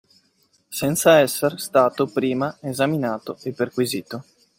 Senza esser stato prima esaminato e perquisito.